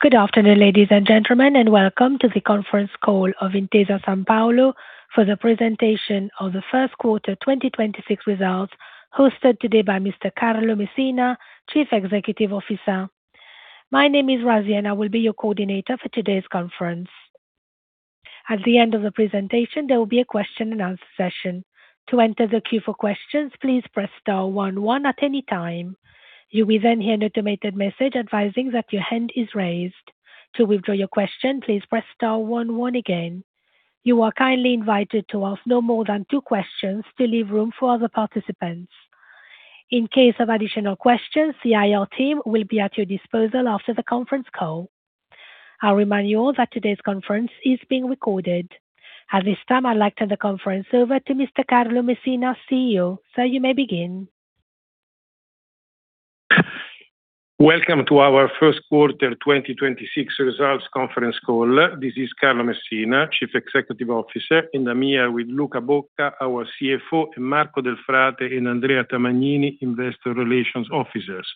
Good afternoon, ladies and gentlemen, and welcome to the conference call of Intesa Sanpaolo for the presentation of the Q1 2026 results hosted today by Mr. Carlo Messina, Chief Executive Officer. My name is Razia, and I will be your coordinator for today's conference. At the end of the presentation, there will be a question and answer session. To enter the queue for questions, please press star one one at any time. You will hear an automated message advising that your hand is raised. To withdraw your question, please press star one one again. You are kindly invited to ask no more than two questions to leave room for other participants. In case of additional questions, the IR team will be at your disposal after the conference call. I will remind you all that today's conference is being recorded. At this time, I'd like to turn the conference over to Mr. Carlo Messina, CEO. Sir, you may begin. Welcome to our Q1 2026 results conference call. This is Carlo Messina, Chief Executive Officer, and I'm here with Luca Bocca, our CFO, and Marco Delfrate and Andrea Tamagnini, Investor Relations Officers.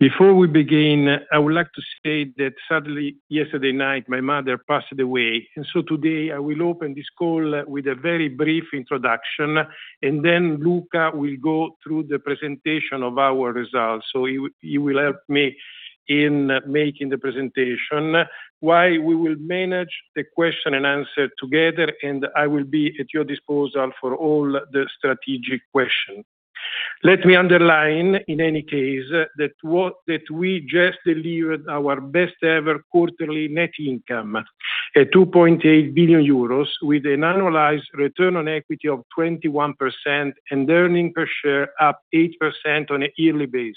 Before we begin, I would like to say that sadly, yesterday night my mother passed away. Today I will open this call with a very brief introduction, and then Luca will go through the presentation of our results. He will help me in making the presentation, while we will manage the question and answer together, and I will be at your disposal for all the strategic question. Let me underline, in any case, that we just delivered our best ever quarterly net income at 2.8 billion euros with an annualized return on equity of 21% and earnings per share up 8% on a yearly basis.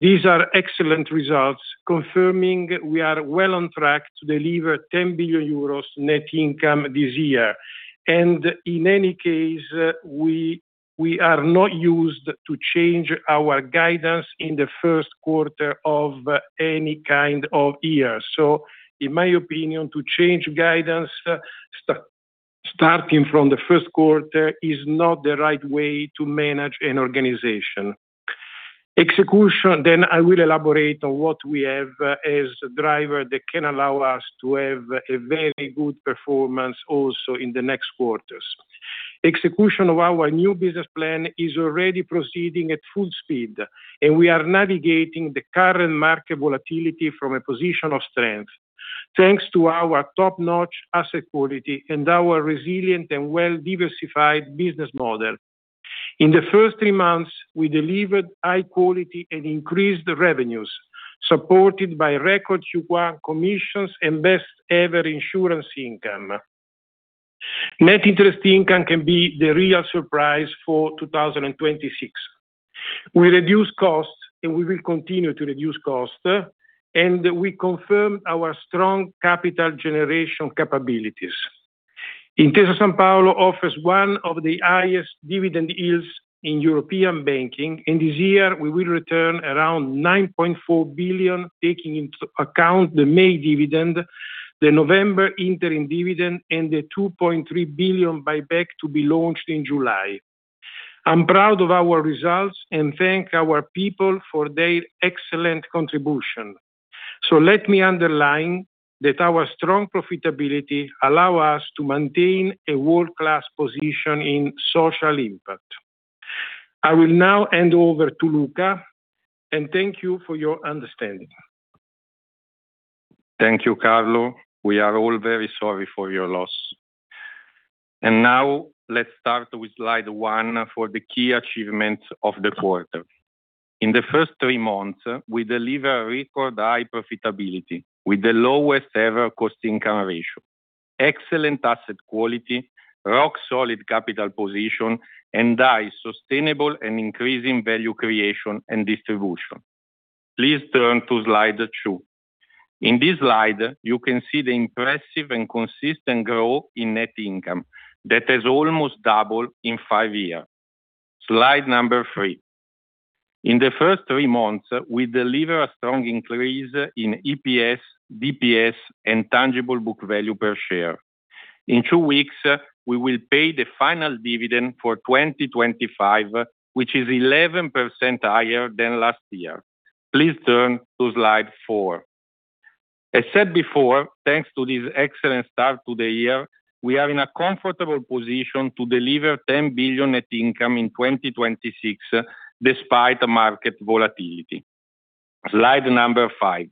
These are excellent results confirming we are well on track to deliver 10 billion euros net income this year. In any case, we are not used to change our guidance in the Q1 of any kind of year. In my opinion, to change guidance starting from the Q1 is not the right way to manage an organization. Execution, I will elaborate on what we have as a driver that can allow us to have a very good performance also in the next quarters. Execution of our new business plan is already proceeding at full speed, and we are navigating the current market volatility from a position of strength. Thanks to our top-notch asset quality and our resilient and well-diversified business model. In the first three months, we delivered high quality and increased revenues, supported by record Q1 commissions and best ever insurance income. Net interest income can be the real surprise for 2026. We reduce costs, and we will continue to reduce costs, and we confirm our strong capital generation capabilities. Intesa Sanpaolo offers one of the highest dividend yields in European banking. This year we will return around 9.4 billion, taking into account the May dividend, the November interim dividend, and the 2.3 billion buyback to be launched in July. I'm proud of our results and thank our people for their excellent contribution. Let me underline that our strong profitability allow us to maintain a world-class position in social impact. I will now hand over to Luca. Thank you for your understanding. Thank you, Carlo. We are all very sorry for your loss. Now let's start with slide 1 for the key achievements of the quarter. In the first three months, we deliver record high profitability with the lowest ever cost-income ratio, excellent asset quality, rock solid capital position, and high sustainable and increasing value creation and distribution. Please turn to slide 2. In this slide, you can see the impressive and consistent growth in net income that has almost doubled in five years. Slide number 3. In the first three months, we deliver a strong increase in EPS, DPS, and tangible book value per share. In two weeks, we will pay the final dividend for 2025, which is 11% higher than last year. Please turn to slide 4. As said before, thanks to this excellent start to the year, we are in a comfortable position to deliver 10 billion net income in 2026 despite the market volatility. Slide number 5.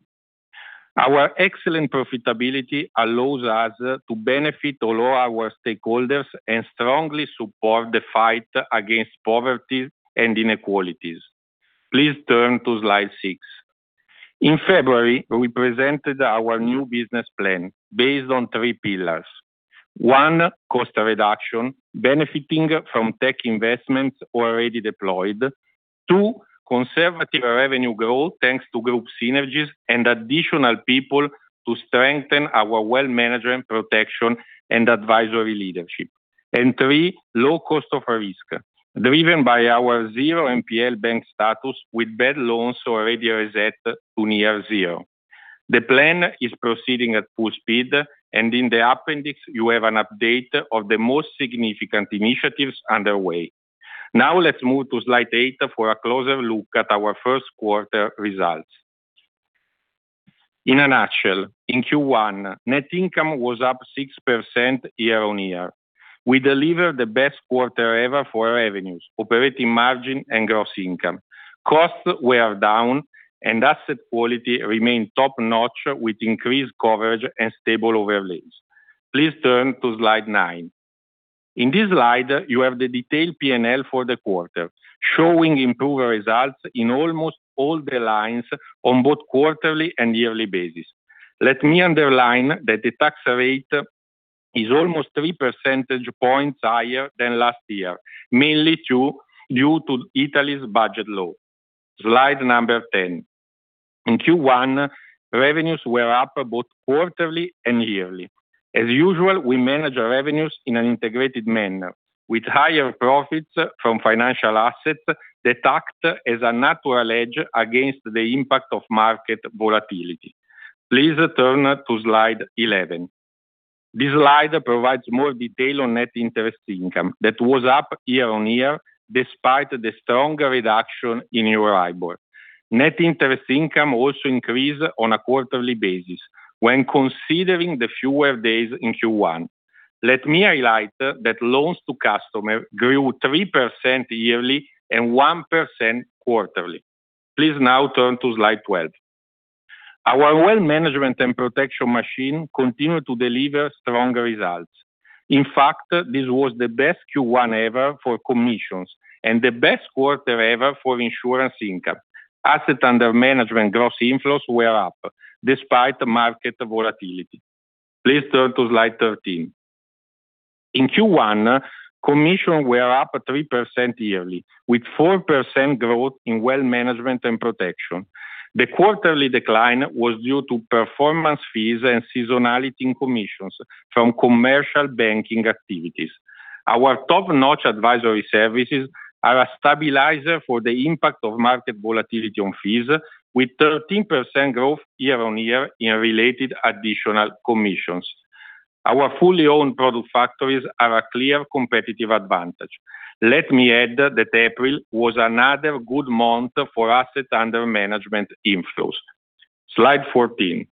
Our excellent profitability allows us to benefit all our stakeholders and strongly support the fight against poverty and inequalities. Please turn to slide 6. In February, we presented our new business plan based on three pillars. One, cost reduction, benefiting from tech investments already deployed. Two, conservative revenue growth, thanks to group synergies and additional people to strengthen our wealth management protection and advisory leadership. Three, low cost of risk, driven by our zero NPL bank status with bad loans already reset to near zero. The plan is proceeding at full speed, and in the appendix, you have an update of the most significant initiatives underway. Let's move to slide 8 for a closer look at our Q1 results. In a nutshell, in Q1, net income was up 6% year-over-year. We delivered the best quarter ever for revenues, operating margin, and gross income. Costs were down, asset quality remained top-notch with increased coverage and stable overlays. Please turn to slide 9. In this slide, you have the detailed P&L for the quarter, showing improved results in almost all the lines on both quarterly and yearly basis. Let me underline that the tax rate is almost 3 percentage points higher than last year, mainly due to Italy's budget law. Slide number 10. In Q1, revenues were up both quarterly and yearly. As usual, we manage our revenues in an integrated manner with higher profits from financial assets that act as a natural hedge against the impact of market volatility. Please turn to slide 11. This slide provides more detail on net interest income that was up year-on-year, despite the strong reduction in EURIBOR. Net interest income also increased on a quarterly basis when considering the fewer days in Q1. Let me highlight that loans to customer grew 3% yearly and 1% quarterly. Please now turn to slide 12. Our Wealth Management and Protection machine continued to deliver strong results. In fact, this was the best Q1 ever for commissions and the best quarter ever for insurance income. Assets under management gross inflows were up despite the market volatility. Please turn to slide 13. In Q1, commissions were up 3% yearly with 4% growth in Wealth Management and Protection. The quarterly decline was due to performance fees and seasonality in commissions from commercial banking activities. Our top-notch advisory services are a stabilizer for the impact of market volatility on fees with 13% growth year-on-year in related additional commissions. Our fully owned product factories are a clear competitive advantage. Let me add that April was another good month for assets under management inflows. Slide 14.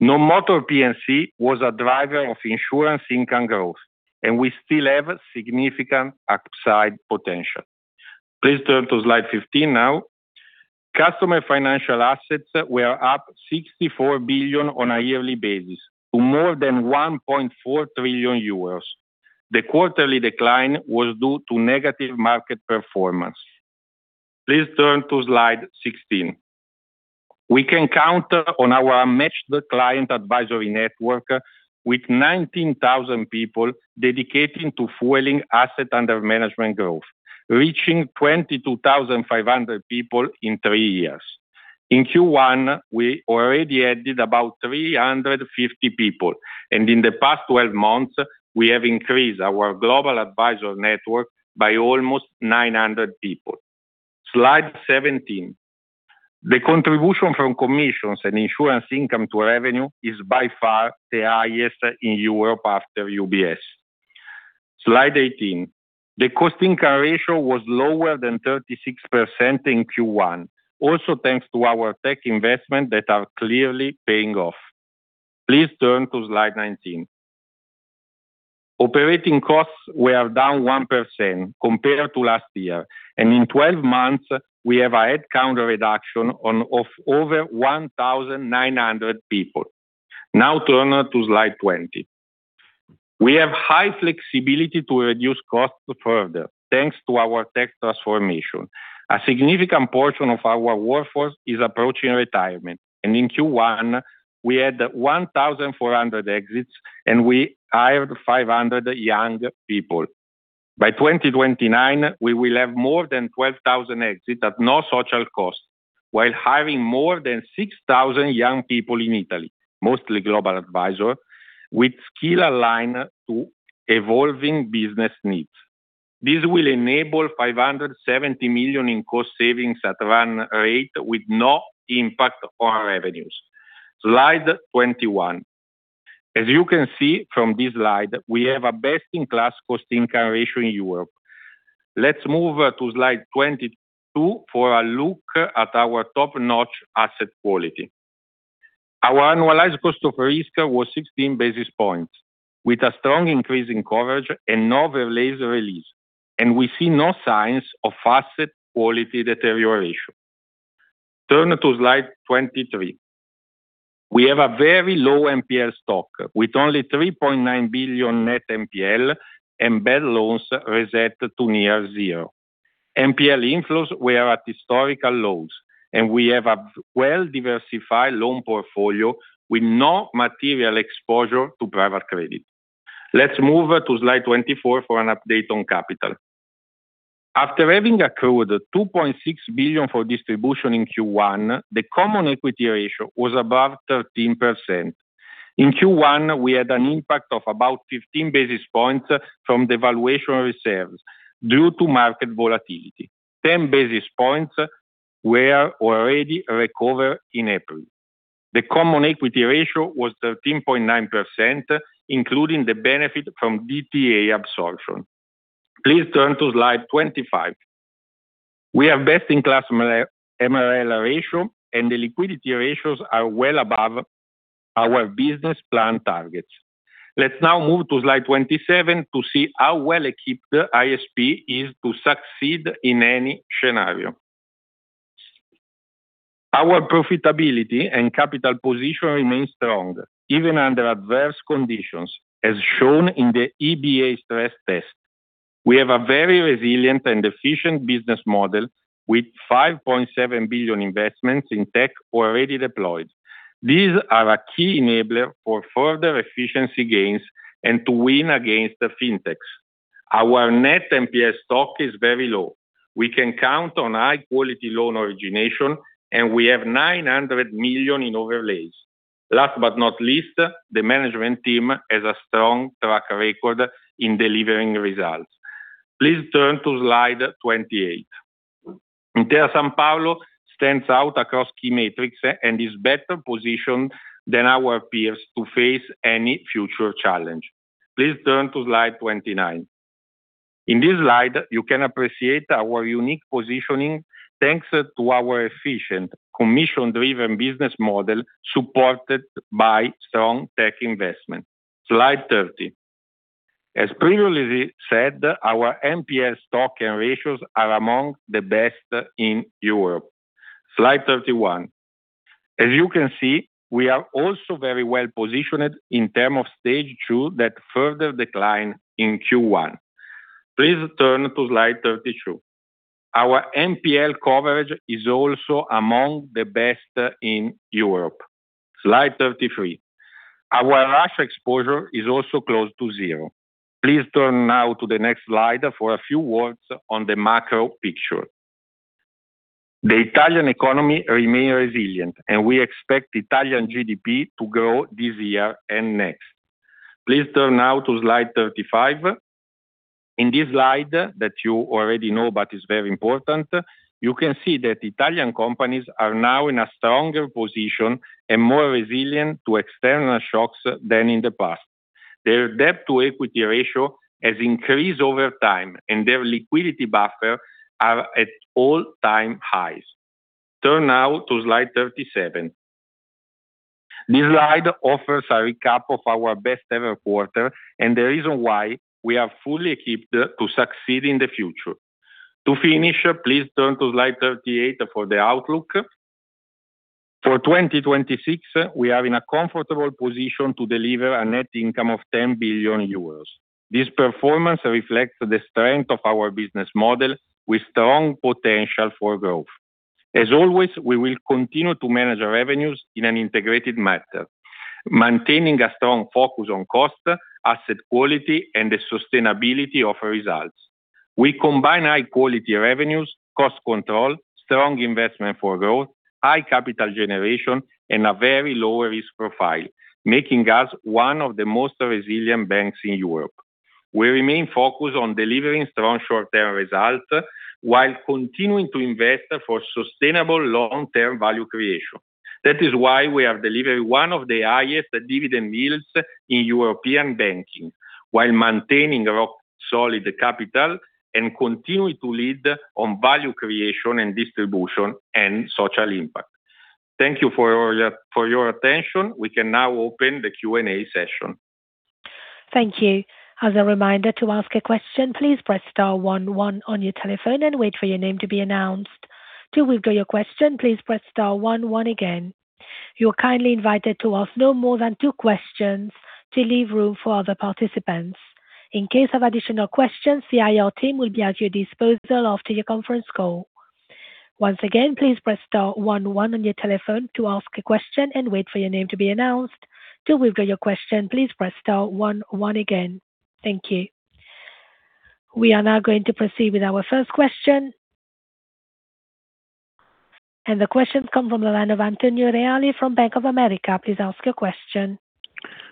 Non-motor P&C was a driver of insurance income growth, and we still have significant upside potential. Please turn to Slide 15 now. Customer financial assets were up 64 billion on a yearly basis to more than 1.4 trillion euros. The quarterly decline was due to negative market performance. Please turn to Slide 16. We can count on our matched client advisory network with 19,000 people dedicated to fueling asset under management growth, reaching 22,500 people in three years. In Q1, we already added about 350 people, and in the past 12 months, we have increased our Global Advisor network by almost 900 people. Slide 17. The contribution from commissions and insurance income to revenue is by far the highest in Europe after UBS. Slide 18. The cost-income ratio was lower than 36% in Q1, also thanks to our tech investment that are clearly paying off. Please turn to slide 19. Operating costs were down 1% compared to last year. In 12 months, we have a head count reduction of over 1,900 people. Now turn to slide 20. We have high flexibility to reduce costs further, thanks to our tax transformation. A significant portion of our workforce is approaching retirement. In Q1, we had 1,400 exits, we hired 500 young people. By 2029, we will have more than 12,000 exits at no social cost, while hiring more than 6,000 young people in Italy, mostly Global Advisor, with skills aligned to evolving business needs. This will enable 570 million in cost savings at run rate with no impact on revenues. Slide 21. As you can see from this slide, we have a best-in-class cost-income ratio in Europe. Let's move to slide 22 for a look at our top-notch asset quality. Our annualized cost of risk was 16 basis points with a strong increase in coverage and no overlays released, and we see no signs of asset quality deterioration. Turn to slide 23. We have a very low NPL stock with only 3.9 billion net NPL and bad loans reset to near zero. NPL inflows were at historical lows, and we have a well-diversified loan portfolio with no material exposure to private credit. Let's move to slide 24 for an update on capital. After having accrued 2.6 billion for distribution in Q1, the common equity ratio was above 13%. In Q1, we had an impact of about 15 basis points from the valuation reserves due to market volatility. 10 basis points were already recovered in April. The common equity ratio was 13.9%, including the benefit from DTA absorption. Please turn to slide 25. We have best in class MREL ratio, and the liquidity ratios are well above our business plan targets. Let's now move to slide 27 to see how well-equipped ISP is to succeed in any scenario. Our profitability and capital position remains strong, even under adverse conditions, as shown in the EBA stress test. We have a very resilient and efficient business model with 5.7 billion investments in tech already deployed. These are a key enabler for further efficiency gains and to win against the Fintechs. Our net NPL stock is very low. We can count on high quality loan origination. We have 900 million in overlays. Last but not least, the management team has a strong track record in delivering results. Please turn to slide 28. Intesa Sanpaolo stands out across key metrics and is better positioned than our peers to face any future challenge. Please turn to slide 29. In this slide, you can appreciate our unique positioning, thanks to our efficient commission-driven business model supported by strong tech investment. Slide 30. As previously said, our NPL stock and ratios are among the best in Europe. Slide 31. As you can see, we are also very well-positioned in term of stage 2, that further decline in Q1. Please turn to slide 32. Our NPL coverage is also among the best in Europe. Slide 33. Our risk exposure is also close to zero. Please turn now to the next slide for a few words on the macro picture. The Italian economy remain resilient, and we expect Italian GDP to grow this year and next. Please turn now to slide 35. In this slide that you already know but is very important, you can see that Italian companies are now in a stronger position and more resilient to external shocks than in the past. Their debt to equity ratio has increased over time, and their liquidity buffer are at all time highs. Turn now to slide 37. This slide offers a recap of our best ever quarter and the reason why we are fully equipped to succeed in the future. To finish, please turn to slide 38 for the outlook. For 2026, we are in a comfortable position to deliver a net income of 10 billion euros. This performance reflects the strength of our business model with strong potential for growth. As always, we will continue to manage our revenues in an integrated matter, maintaining a strong focus on cost, asset quality, and the sustainability of results. We combine high quality revenues, cost control, strong investment for growth, high capital generation, and a very low risk profile, making us one of the most resilient banks in Europe. We remain focused on delivering strong short-term results while continuing to invest for sustainable long-term value creation. That is why we are delivering one of the highest dividend yields in European banking while maintaining rock solid capital and continuing to lead on value creation and distribution and social impact. Thank you for your attention. We can now open the Q&A session. Thank you. As a reminder, to ask a question, please press star one one on your telephone and wait for your name to be announced. To withdraw your question, please press star one one again. You're kindly invited to ask no more than two questions to leave room for other participants. In case of additional questions, IR team will be at your disposal after your conference call. Once again, please press star one one on your telephone to ask a question and wait for your name to be announced. To withdraw your question, please press star one one again. Thank you. We are now going to proceed with our first question. The question comes from the line of Antonio Reale from Bank of America. Please ask your question.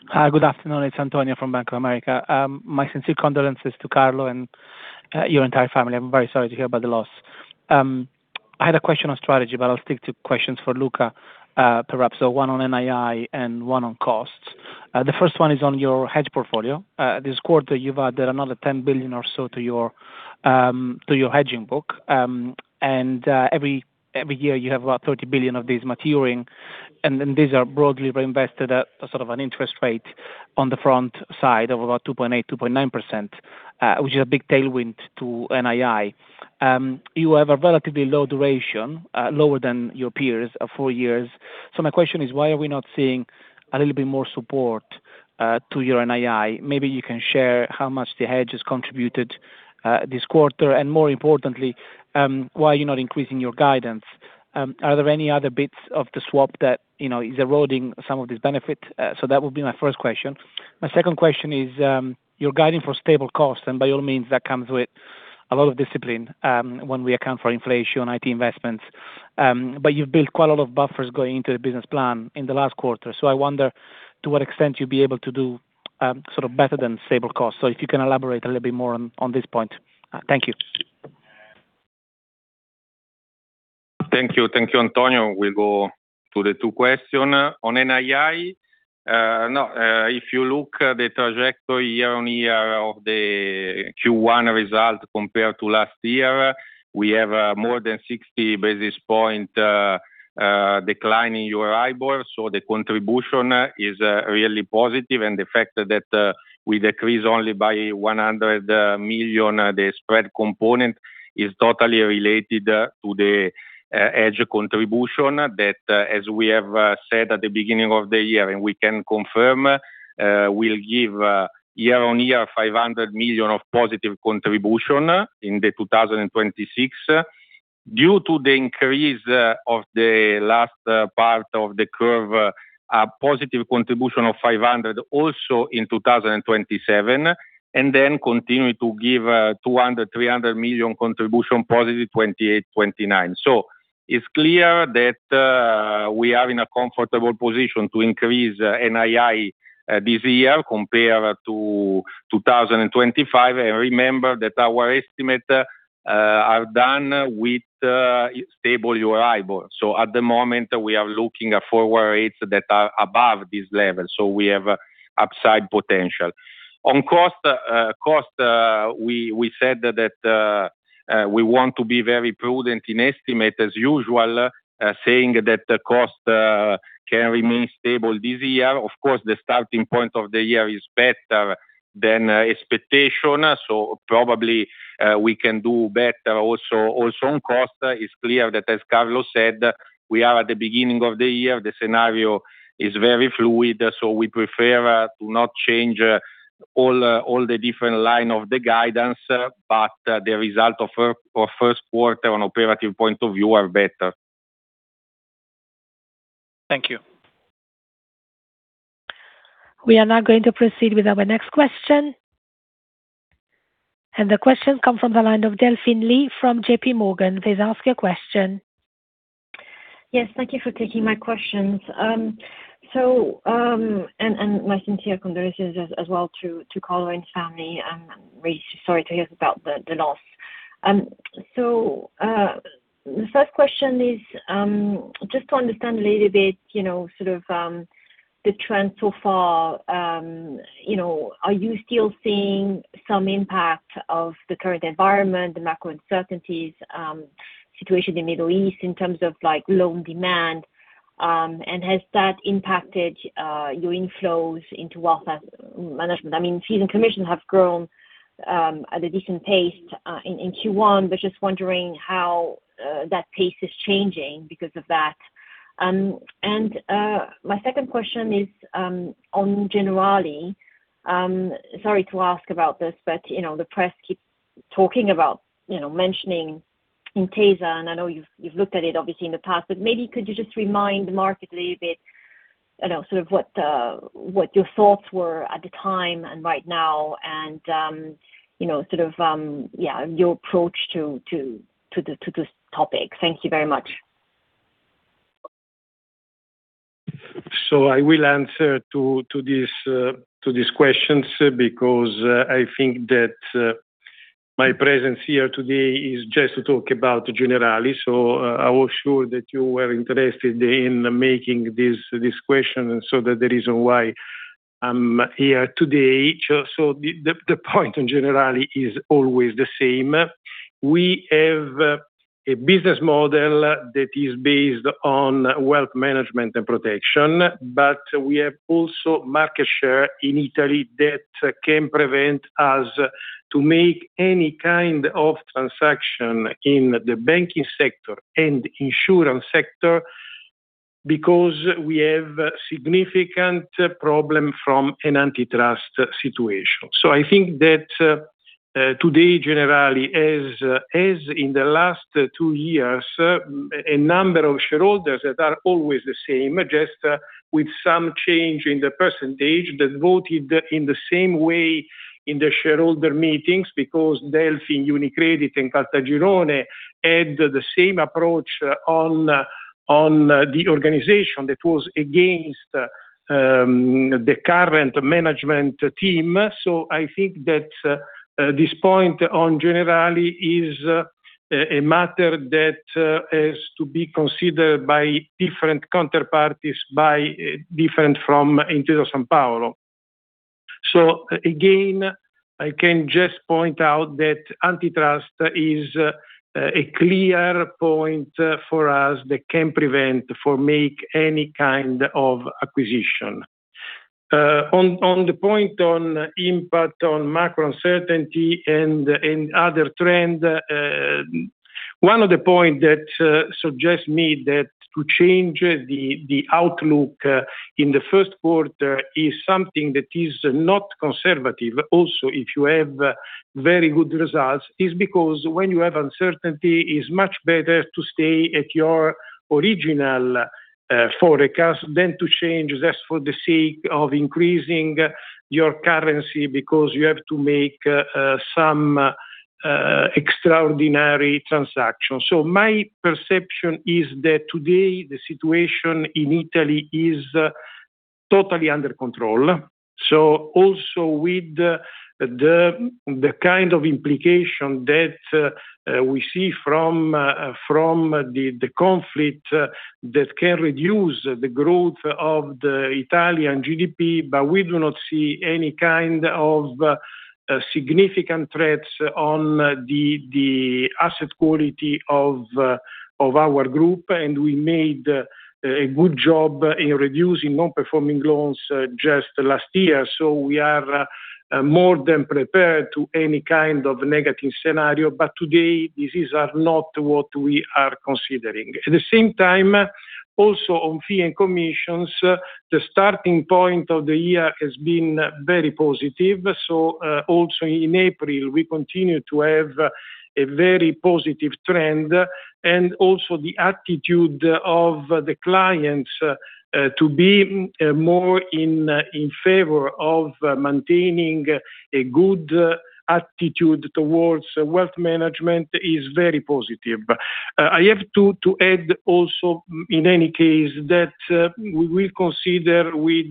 Hi, good afternoon. It's Antonio Reale from Bank of America. My sincere condolences to Carlo Messina and your entire family. I'm very sorry to hear about the loss. I had a question on strategy, but I'll stick to questions for Luca Bocca, perhaps, so one on NII and one on costs. The first one is on your hedge portfolio. This quarter, you've added another 10 billion or so to your to your hedging book. Every year you have about 30 billion of these maturing, then these are broadly reinvested at a sort of an interest rate on the front side of about 2.8%, 2.9%, which is a big tailwind to NII. You have a relatively low duration, lower than your peers of four years. My question is, why are we not seeing a little bit more support to your NII? Maybe you can share how much the hedge has contributed this quarter, and more importantly, why you're not increasing your guidance. Are there any other bits of the swap that, you know, is eroding some of this benefit? That would be my first question. My second question is, you're guiding for stable cost, and by all means, that comes with a lot of discipline, when we account for inflation, IT investments. But you've built quite a lot of buffers going into the business plan in the last quarter. I wonder to what extent you'd be able to do sort of better than stable cost. If you can elaborate a little bit more on this point. Thank you. Thank you. Thank you, Antonio. We'll go to the two questions. On NII, if you look at the trajectory year-over-year of the Q1 result compared to last year, we have more than 60 basis points decline in EURIBOR, the contribution is really positive. The fact that we decrease only by 100 million, the spread component is totally related to the hedge contribution that as we have said at the beginning of the year, and we can confirm, we'll give year-on-year 500 million of positive contribution in 2026. Due to the increase of the last part of the curve, a positive contribution of 500 also in 2027, and then continue to give 200 million, 300 million contribution positive 2028, 2029. It's clear that we are in a comfortable position to increase NII this year compared to 2025. Remember that our estimate are done with stable EURIBOR. At the moment we are looking at forward rates that are above this level, we have a upside potential. On cost, we said that we want to be very prudent in estimate as usual, saying that the cost can remain stable this year. Of course, the starting point of the year is better than expectation, probably we can do better also. On cost, it's clear that as Carlo said, we are at the beginning of the year. The scenario is very fluid, so we prefer to not change all the different line of the guidance, but the result of Q on operating point of view are better. Thank you. We are now going to proceed with our next question. The question come from the line of Delphine Lee from JPMorgan. Please ask your question. Yes, thank you for taking my questions. My sincere condolences as well to Carlo and family. I'm really sorry to hear about the loss. The first question is just to understand a little bit, you know, sort of, the trend so far, you know, are you still seeing some impact of the current environment, the macro uncertainties, situation in Middle East in terms of like loan demand, and has that impacted your inflows into wealth management? I mean, fees and commission have grown at a decent pace in Q1, but just wondering how that pace is changing because of that. My second question is on Generali. Sorry to ask about this, but you know, the press keeps talking about, you know, mentioning Intesa, and I know you've looked at it obviously in the past, but maybe could you just remind the market a little bit, you know, sort of what your thoughts were at the time and right now and, you know, sort of, yeah, your approach to this topic. Thank you very much. I will answer to these questions because I think that my presence here today is just to talk about Generali. I was sure that you were interested in making this question, so that the reason why I'm here today. The point in Generali is always the same. We have a business model that is based on wealth management and protection, but we have also market share in Italy that can prevent us to make any kind of transaction in the banking sector and insurance sector because we have significant problem from an antitrust situation. I think that today Generali, in the last two years, a number of shareholders that are always the same, just with some change in the percentage, that voted in the same way in the shareholder meetings because Delphine, UniCredit and Caltagirone had the same approach on the organization that was against the current management team. I think that this point on Generali is a matter that is to be considered by different counterparties, by different from Intesa Sanpaolo. Again, I can just point out that antitrust is a clear point for us that can prevent for make any kind of acquisition. On the point on impact on macro uncertainty and other trend, one of the points that suggests me that to change the outlook, in the Q1 is something that is not conservative. Also, if you have very good results, is because when you have uncertainty, it's much better to stay at your original forecast than to change just for the sake of increasing your currency because you have to make some extraordinary transactions. My perception is that today the situation in Italy is totally under control. Also with the kind of implication that we see from the conflict that can reduce the growth of the Italian GDP, but we do not see any kind of significant threats on the asset quality of our group. We made a good job in reducing non-performing loans just last year. We are more than prepared to any kind of negative scenario. Today these are not what we are considering. At the same time, also on fee and commissions, the starting point of the year has been very positive. Also in April, we continue to have a very positive trend, and also the attitude of the clients to be more in favor of maintaining a good attitude towards wealth management is very positive. I have to add also in any case that we will consider with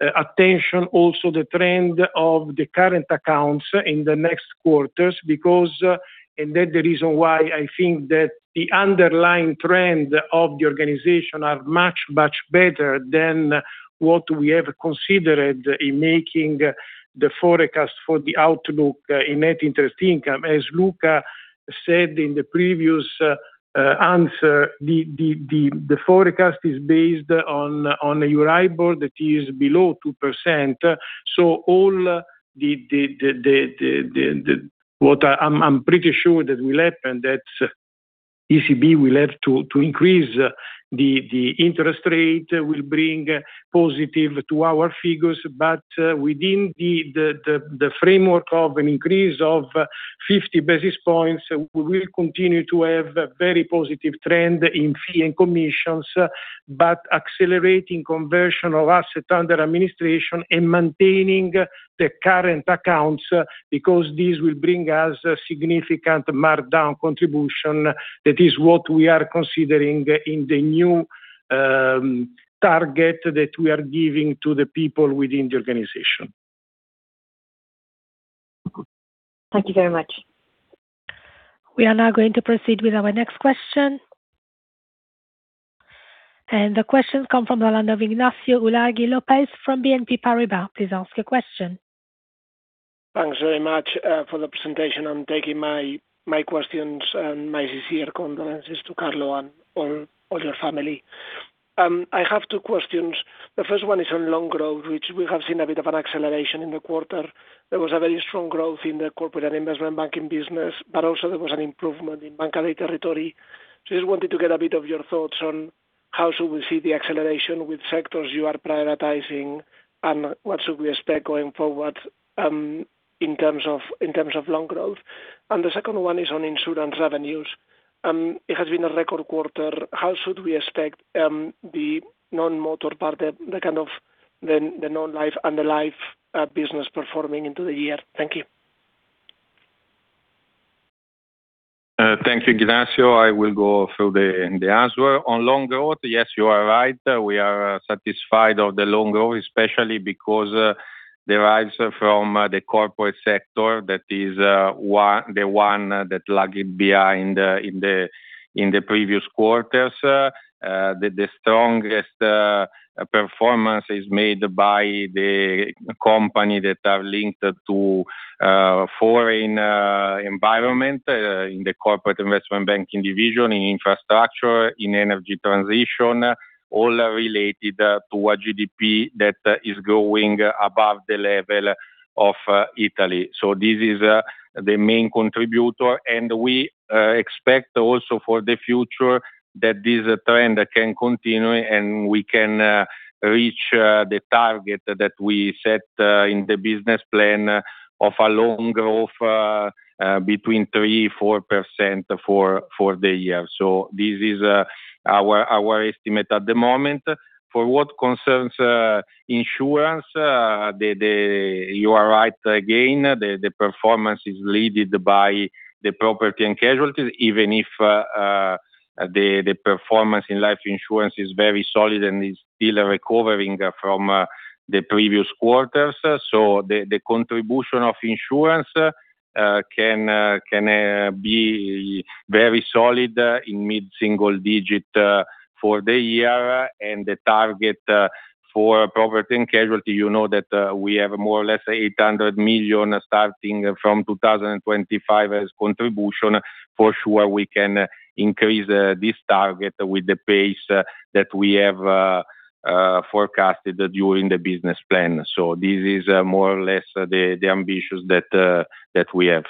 attention also the trend of the current accounts in the next quarters because the reason why I think that the underlying trend of the organization are much, much better than what we have considered in making the forecast for the outlook in net interest income. As Luca said in the previous answer, the forecast is based on EURIBOR that is below 2%. I'm pretty sure that will happen, that ECB will have to increase the interest rate, will bring positive to our figures. Within the framework of an increase of 50 basis points, we will continue to have a very positive trend in fee and commissions, but accelerating conversion of assets under administration and maintaining the current accounts, because this will bring us significant markdown contribution. That is what we are considering in the new target that we are giving to the people within the organization. Thank you very much. We are now going to proceed with our next question. The question comes from Ignacio Ulargui Lopez from BNP Paribas. Please ask your question. Thanks very much for the presentation. I'm taking my questions and my sincere condolences to Carlo and all your family. I have two questions. The first one is on loan growth, which we have seen a bit of an acceleration in the quarter. There was a very strong growth in the corporate and investment banking business, but also there was an improvement in territory. Still wanted to get a bit of your thoughts on how to see the acceleration with sectors you are prioritizing and what should we expect going forward in terms of loan growth. The second one is on insurance revenues. It has been on record quarter how should we expect the non motor pattern to kind of the non-life and life business perform into the year. Thank you. Thank you, Ignacio. I will go through the answer. On loan growth, yes, you are right. We are satisfied of the loan growth, especially because derives from the corporate sector that is the one that lagging behind in the previous quarters. The strongest performance is made by the company that are linked to foreign environment in the Corporate Investment Banking division, in infrastructure, in energy transition, all related to a GDP that is growing above the level of Italy. This is the main contributor. We expect also for the future that this trend can continue, and we can reach the target that we set in the business plan of a loan growth between 3%-4% for the year. This is our estimate at the moment. For what concerns insurance, you are right again. The performance is led by the property and casualties, even if the performance in life insurance is very solid and is still recovering from the previous quarters. The contribution of insurance can be very solid in mid-single digit for the year. The target for property and casualty, you know that, we have more or less 800 million starting from 2025 as contribution. For sure, we can increase this target with the pace that we have forecasted during the business plan. This is more or less the ambitions that we have.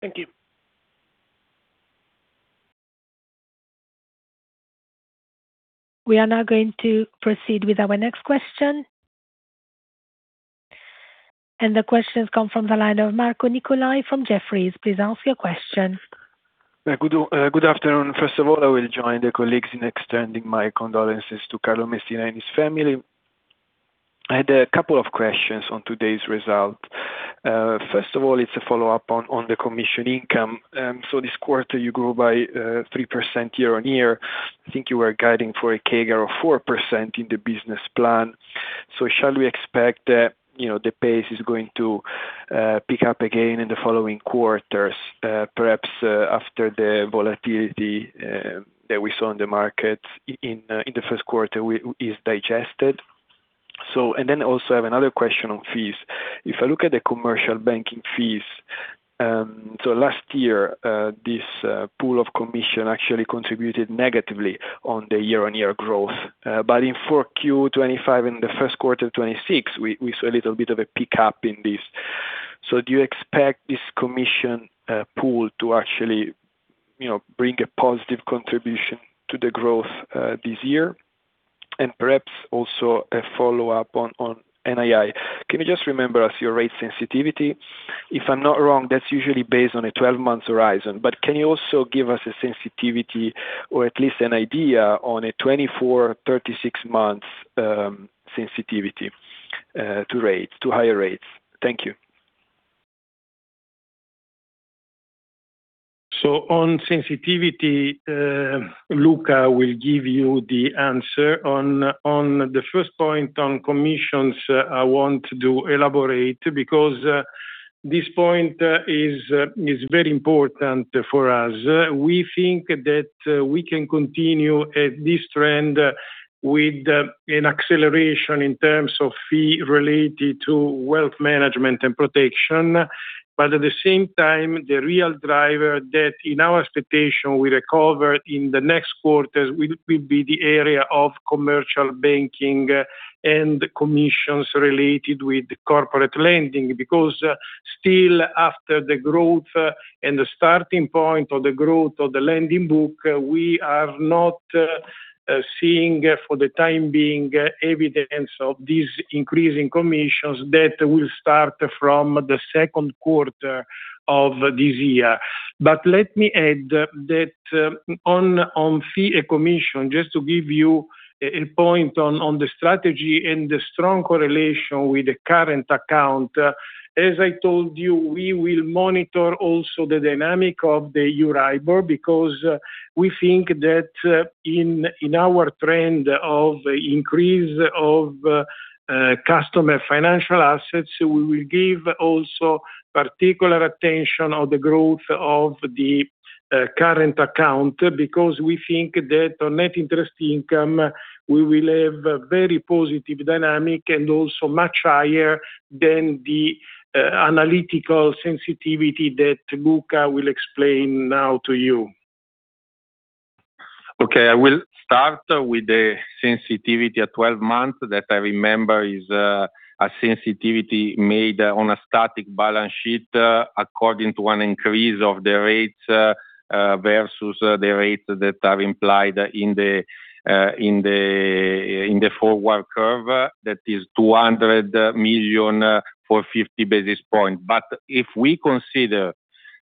Thank you. We are now going to proceed with our next question. The questions come from the line of Marco Nicolai from Jefferies. Please ask your question. Good afternoon. First of all, I will join the colleagues in extending my condolences to Carlo Messina and his family. I had a couple of questions on today's result. First of all, it's a follow-up on the commission income. This quarter you grew by 3% year-on-year. I think you were guiding for a CAGR of 4% in the business plan. Shall we expect that, you know, the pace is going to pick up again in the following quarters, perhaps after the volatility that we saw in the markets in the first quarter is digested? I have another question on fees. If I look at the commercial banking fees, last year, this pool of commission actually contributed negatively on the year-on-year growth. InQ4 2025 and the Q1 2026, we saw a little bit of a pick-up in this. Do you expect this commission pool to actually, you know, bring a positive contribution to the growth this year? Perhaps also a follow-up on NII. Can you just remember us your rate sensitivity? If I'm not wrong, that's usually based on a 12-month horizon. Can you also give us a sensitivity or at least an idea on a 24, 36 month sensitivity to rates, to higher rates? Thank you. On sensitivity, Luca will give you the answer. On the 1st point on commissions, I want to elaborate because this point is very important for us. We think that we can continue this trend with an acceleration in terms of fee related to wealth management and protection. At the same time, the real driver that, in our expectation, we recover in the next quarters will be the area of commercial banking and commissions related with corporate lending. Still after the growth and the starting point of the growth of the lending book, we are not seeing for the time being evidence of these increasing commissions that will start from the Q2 of this year. Let me add that on fee commission, just to give you a point on the strategy and the strong correlation with the current account, as I told you, we will monitor also the dynamic of the EURIBOR because we think that in our trend of increase of customer financial assets, we will give also particular attention on the growth of the current account. We think that on net interest income we will have a very positive dynamic and also much higher than the analytical sensitivity that Luca will explain now to you. Okay. I will start with the sensitivity at 12 months that I remember is a sensitivity made on a static balance sheet according to an increase of the rates versus the rates that are implied in the forward curve. That is 200 million for 50 basis points. If we consider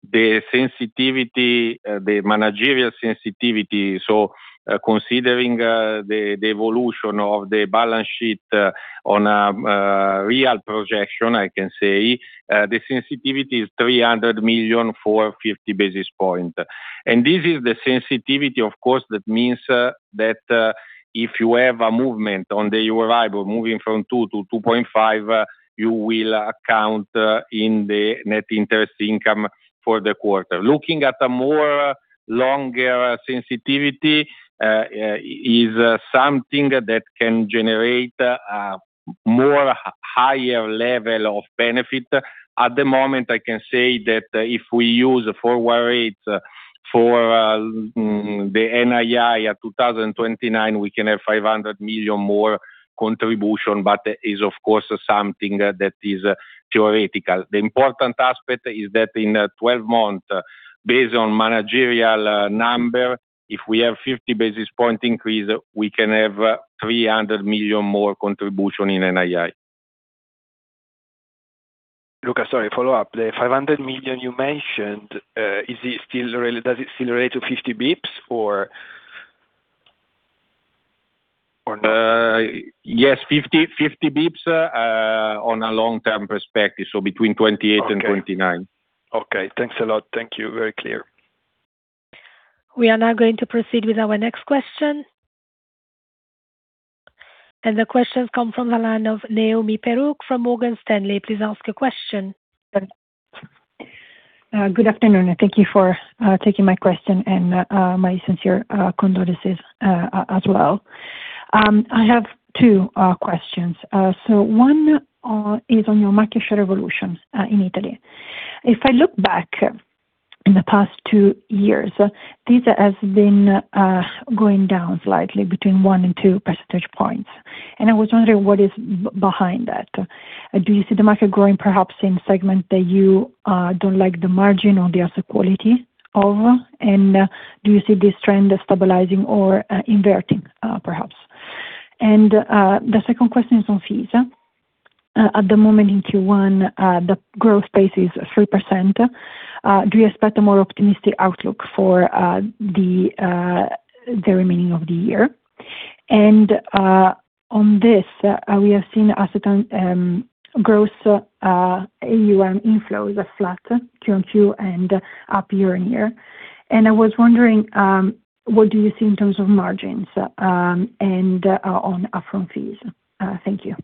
the sensitivity, the managerial sensitivity, so considering the evolution of the balance sheet on real projection, I can say, the sensitivity is 300 million for 50 basis points. This is the sensitivity, of course, that means that if you have a movement on the EURIBOR moving from 2-2.5, you will account in the net interest income for the quarter. Looking at a more longer sensitivity is something that can generate more higher level of benefit. At the moment, I can say that if we use a forward rate for the NII at 2029, we can have 500 million more contribution, but is of course something that is theoretical. The important aspect is that in 12 month, based on managerial number, if we have 50 basis points increase, we can have 300 million more contribution in NII. Luca, sorry, follow-up. The 500 million you mentioned, does it still relate to 50 bps or not? Yes, 50 basis points, on a long-term perspective, so between 2028 and 2029. Okay. Thanks a lot. Thank you. Very clear. We are now going to proceed with our next question. The question's come from the line of Noemi Peruch from Morgan Stanley. Please ask your question. Good afternoon, and thank you for taking my question and my sincere condolences as well. I have two questions. One is on your market share evolutions in Italy. If I look back in the past two years, this has been going down slightly between one and two percentage points. I was wondering what is behind that. Do you see the market growing perhaps in segment that you don't like the margin or the asset quality of? Do you see this trend stabilizing or inverting perhaps? The second question is on fees. At the moment in Q1, the growth pace is 3%. Do you expect a more optimistic outlook for the remaining of the year? On this, we have seen asset and growth, AUM inflows are flat Q until end up year-on-year. I was wondering, what do you see in terms of margins and on upfront fees? Thank you.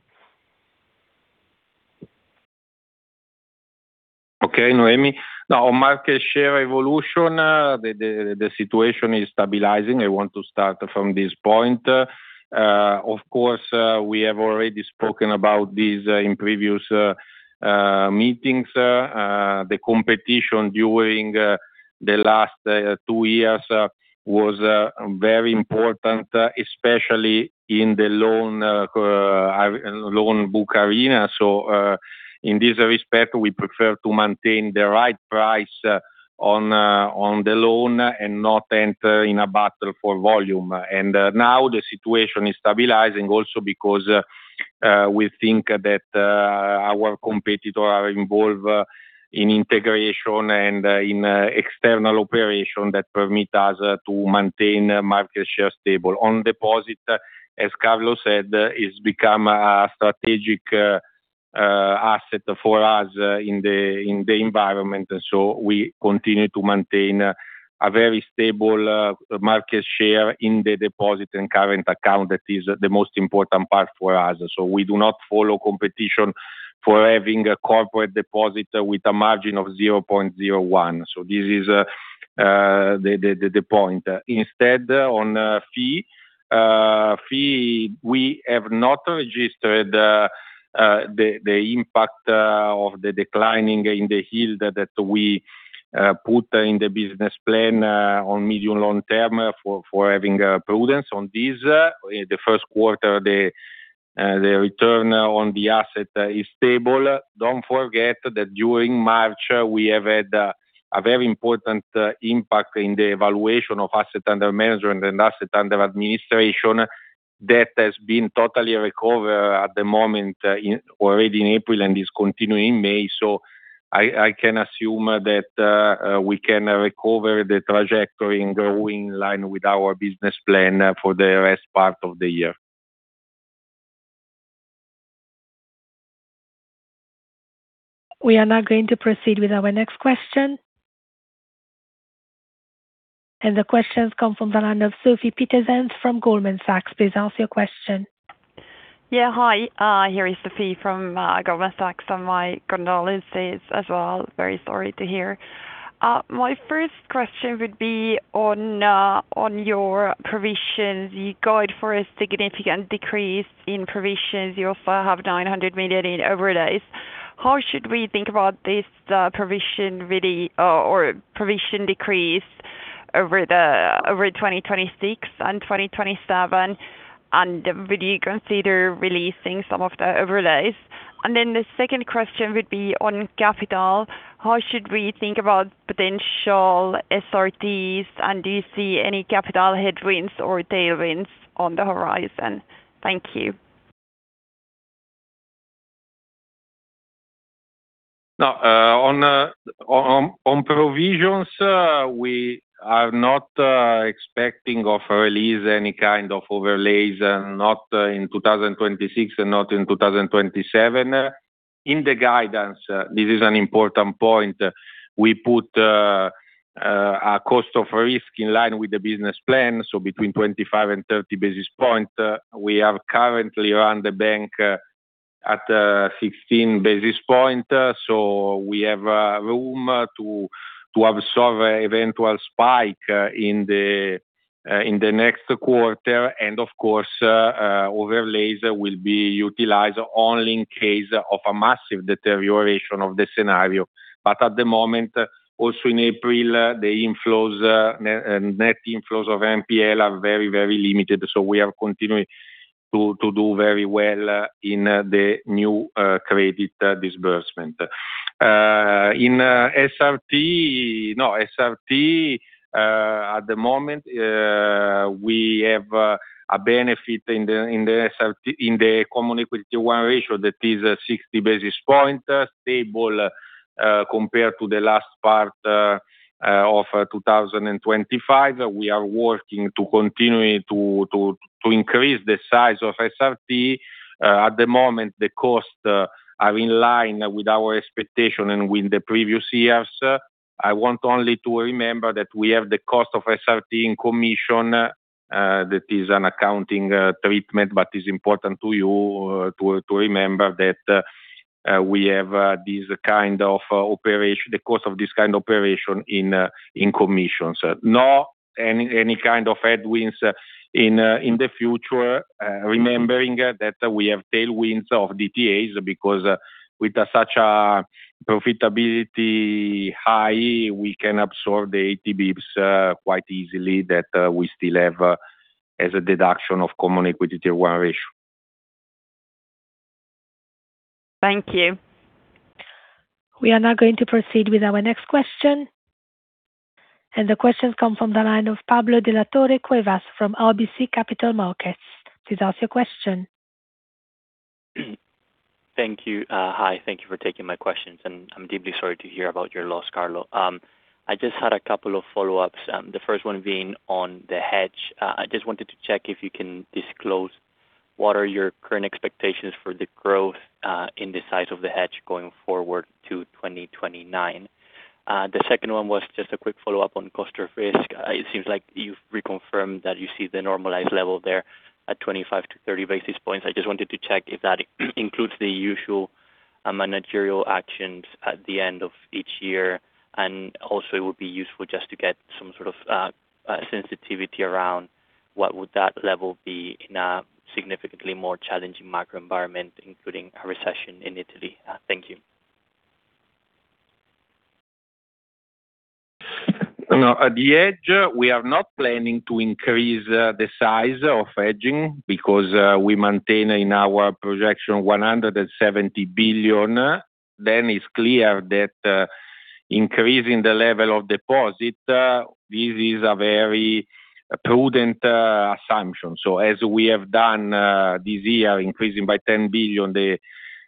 Okay, Noemi. On market share evolution, the situation is stabilizing. I want to start from this point. Of course, we have already spoken about this in previous meetings. The competition during the last two years was very important, especially in the loan book arena. In this respect, we prefer to maintain the right price on the loan and not enter in a battle for volume. Now the situation is stabilizing also because we think that our competitor are involved in integration and in external operation that permit us to maintain market share stable. On deposit, as Carlo said, it's become a strategic asset for us in the environment. We continue to maintain a very stable market share in the deposit and current account. That is the most important part for us. We do not follow competition for having a corporate deposit with a margin of 0.01. This is the point. Instead on fee, we have not registered the impact of the declining in the yield that we put in the business plan on medium long term for having prudence on this. In the first quarter, the return on the asset is stable. Don't forget that during March, we have had a very important impact in the evaluation of asset under management and asset under administration that has been totally recovered at the moment in Already in April and is continuing in May. I can assume that we can recover the trajectory and go in line with our business plan for the rest part of the year. We are now going to proceed with our next question. The question comes from the line of Sofie Peterzens from Goldman Sachs. Please ask your question. Yeah. Hi. Here is Sofie from Goldman Sachs. My condolences as well. Very sorry to hear. My first question would be on your provisions. You guide for a significant decrease in provisions. You also have 900 million in overlays. How should we think about this provision really or provision decrease over 2026 and 2027? Would you consider releasing some of the overlays? The second question would be on capital. How should we think about potential SRTs? Do you see any capital headwinds or tailwinds on the horizon? Thank you. No. On provisions, we are not expecting or release any kind of overlays, not in 2026 and not in 2027. In the guidance, this is an important point, we put our cost of risk in line with the business plan, so between 25 and 30 basis points. We have currently run the bank at 16 basis points. We have room to absorb eventual spike in the next quarter. Of course, overlays will be utilized only in case of a massive deterioration of the scenario. At the moment, also in April, the inflows, net net inflows of NPL are very, very limited, so we are continuing to do very well in the new credit disbursement. No, SRT, at the moment, we have a benefit in the SRT, in the common equity to 1 ratio that is a 60 basis point stable compared to the last part of 2025. We are working to continue to increase the size of SRT. At the moment, the costs are in line with our expectation and with the previous years. I want only to remember that we have the cost of SRT in commission, that is an accounting treatment. Is important to you to remember that we have this kind of operation, the cost of this kind of operation in commissions. No, any kind of headwinds in the future, remembering that we have tailwinds of DTAs because with such a profitability high, we can absorb the 80 basis points quite easily that we still have as a deduction of common equity to one ratio. Thank you. We are now going to proceed with our next question. The question comes from the line of Pablo de la Torre Cuevas from RBC Capital Markets. Please ask your question. Thank you. Hi, thank you for taking my questions, and I'm deeply sorry to hear about your loss, Carlo. I just had a couple of follow-ups, the first one being on the hedge. I just wanted to check if you can disclose what are your current expectations for the growth in the size of the hedge going forward to 2029. The second one was just a quick follow-up on cost of risk. It seems like you've reconfirmed that you see the normalized level there at 25-30 basis points. I just wanted to check if that includes the usual managerial actions at the end of each year, and also it would be useful just to get some sort of sensitivity around what would that level be in a significantly more challenging macro environment, including a recession in Italy. Thank you. No. At the edge, we are not planning to increase the size of hedging because we maintain in our projection 170 billion. It's clear that increasing the level of deposit, this is a very prudent assumption. As we have done this year, increasing by 10 billion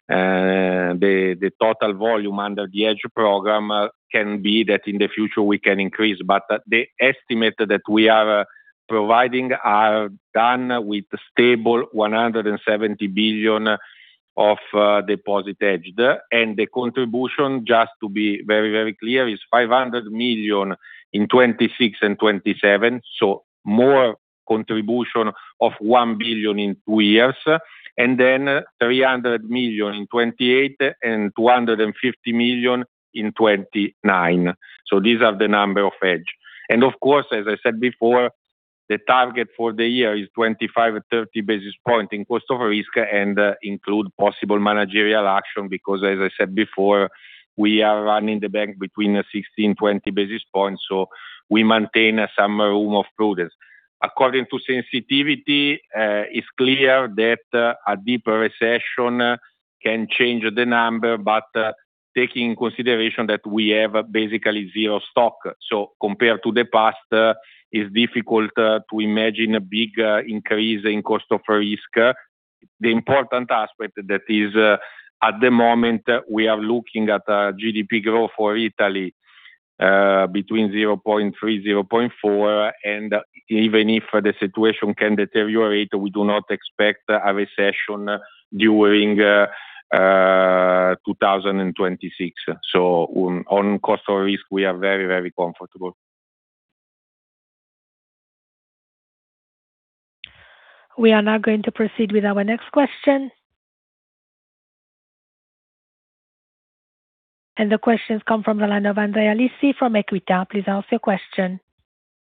the total volume under the hedge program can be that in the future we can increase. The estimate that we are providing are done with stable 170 billion of deposit hedged. The contribution, just to be very, very clear, is 500 million in 2026 and 2027, more contribution of 1 billion in two years. 300 million in 2028 and 250 million in 2029. These are the number of hedge. Of course, as I said before, the target for the year is 25-30 basis point in cost of risk and include possible managerial action because, as I said before, we are running the bank between 16-20 basis points, so we maintain some room of prudence. According to sensitivity, it's clear that a deeper recession can change the number, but taking into consideration that we have basically zero stock. Compared to the past, it's difficult to imagine a big increase in cost of risk. The important aspect that is at the moment we are looking at GDP growth for Italy between 0.3, 0.4. Even if the situation can deteriorate, we do not expect a recession during 2026. On cost of risk, we are very, very comfortable. We are now going to proceed with our next question. The question comes from the line of Andrea Lisi from Equita. Please ask your question.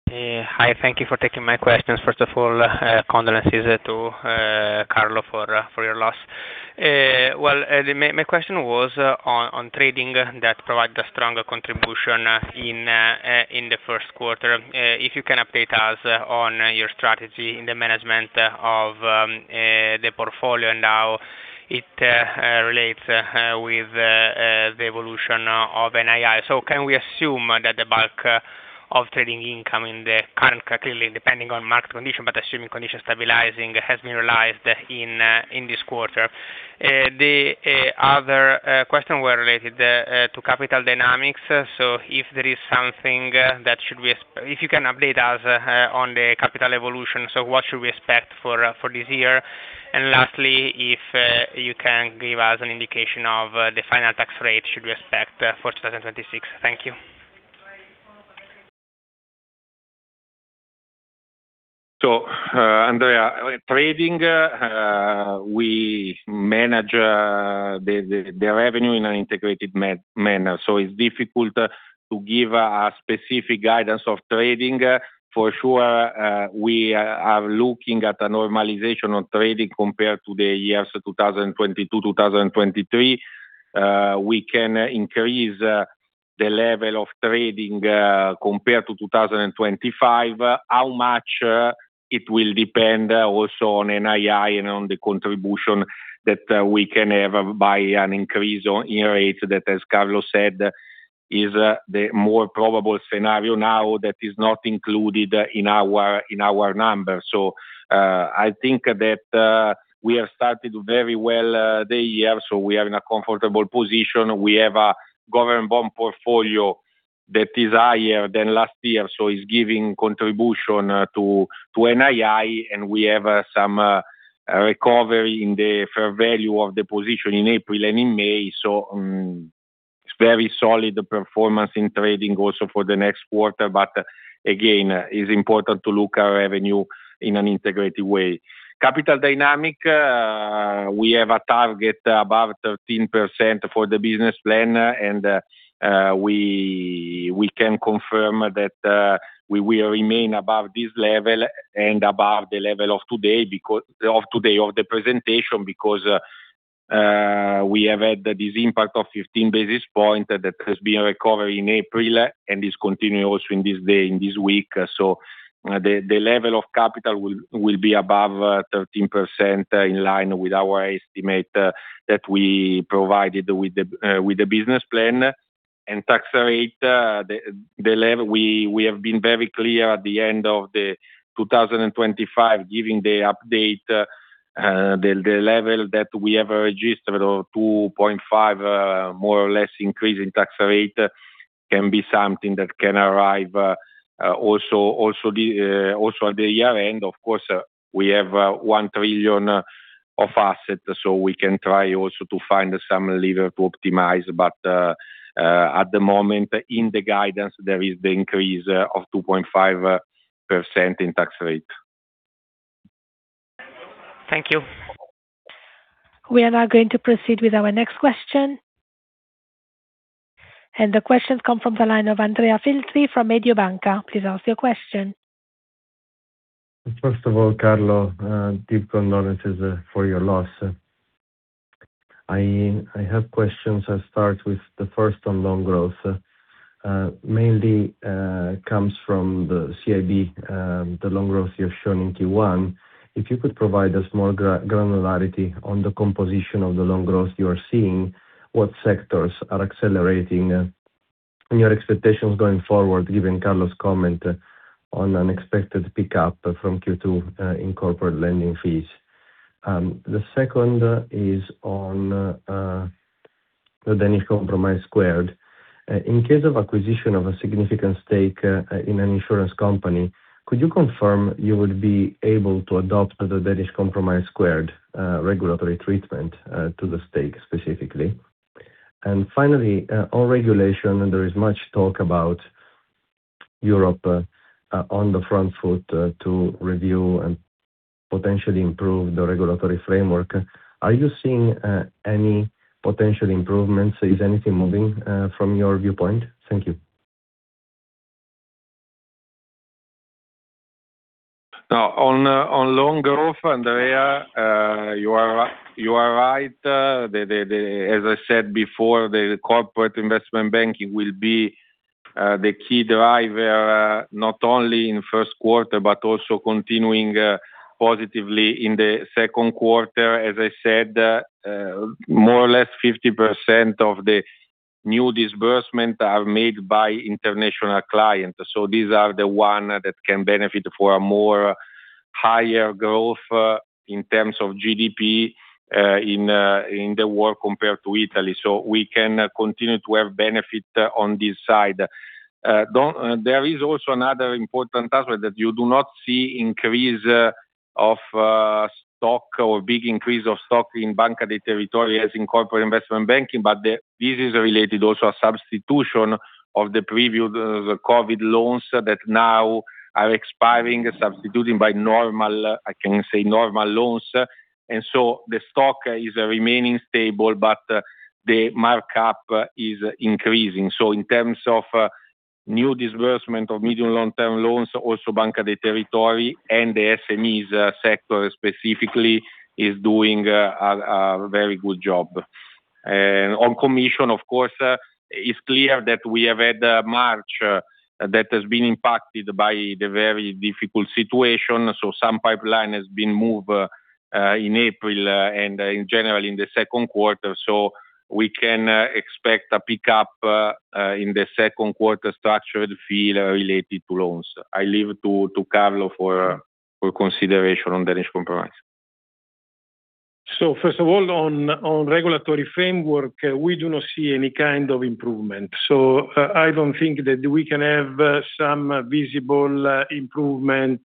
Hi. Thank you for taking my questions. First of all, condolences to Carlo for your loss. My question was on trading that provided a stronger contribution in the first quarter. If you can update us on your strategy in the management of the portfolio now, it relates with the evolution of NII. Can we assume that the bulk of trading income in the current, clearly depending on market condition, but assuming conditions stabilizing has been realized in this quarter? The other question were related to capital dynamics. If there is something that If you can update us on the capital evolution, what should we expect for this year? Lastly, if you can give us an indication of the final tax rate should we expect for 2026. Thank you. Andrea, trading, we manage the revenue in an integrated manner, so it's difficult to give a specific guidance of trading. For sure, we are looking at a normalization on trading compared to the years 2022, 2023. We can increase the level of trading compared to 2025. How much, it will depend also on NII and on the contribution that we can have by an increase on ECB rates that, as Carlo said, is the more probable scenario now that is not included in our numbers. I think that we have started very well the year, so we are in a comfortable position. We have a government bond portfolio that is higher than last year, so it's giving contribution to NII, and we have some recovery in the fair value of the position in April and in May. It's very solid, the performance in trading also for the next quarter. Again, it's important to look our revenue in an integrated way. Capital dynamic, we have a target about 13% for the business plan, and we can confirm that we will remain above this level and above the level of the presentation, because we have had this impact of 15 basis points that has been recovering in April and is continuing also in this day, in this week. The level of capital will be above 13% in line with our estimate that we provided with the business plan. Tax rate, the level we have been very clear at the end of 2025, giving the update, the level that we have registered of 2.5 more or less increase in tax rate can be something that can arrive also at the year-end. Of course, we have 1 trillion of assets, so we can try also to find some lever to optimize. At the moment, in the guidance, there is the increase of 2.5% in tax rate. Thank you. We are now going to proceed with our next question. The question comes from the line of Andrea Filtri from Mediobanca. Please ask your question. First of all, Carlo, deep condolences for your loss. I have questions. I'll start with the first on loan growth. Mainly comes from the CIB, the loan growth you're showing in Q1. If you could provide a small granularity on the composition of the loan growth you are seeing, what sectors are accelerating, and your expectations going forward, given Carlo's comment on unexpected pickup from Q2 in corporate lending fees. The second is on the Danish Compromise squared. In case of acquisition of a significant stake in an insurance company, could you confirm you would be able to adopt the Danish Compromise-Squared regulatory treatment to the stake specifically? Finally, on regulation, there is much talk about Europe on the front foot to review and potentially improve the regulatory framework. Are you seeing any potential improvements? Is anything moving from your viewpoint? Thank you. On loan growth, Andrea, you are right. The Corporate Investment Banking will be the key driver, not only in Q1 but also continuing positively in the Q2. More or less 50% of the new disbursement are made by international clients. These are the one that can benefit for a more higher growth in terms of GDP in the world compared to Italy. We can continue to have benefit on this side. There is also another important aspect that you do not see increase of stock or big increase of stock in Banca dei Territori as in Corporate Investment Banking. This is related also a substitution of the previous COVID loans that now are expiring, substituting by normal, I can say normal loans. The stock is remaining stable, but the markup is increasing. In terms of new disbursement of medium, long-term loans, also Banca dei Territori and the SMEs sector specifically is doing a very good job. On commission, of course, it's clear that we have had March that has been impacted by the very difficult situation. Some pipeline has been moved in April and in general in the Q2. We can expect a pickup in the Q2 structured fee related to loans. I leave to Carlo for consideration on Danish Compromise. First of all, on regulatory framework, we do not see any kind of improvement. I don't think that we can have some visible improvement